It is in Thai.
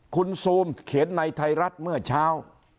คุณซูมเขียนในไทยรัฐเมื่อเช้า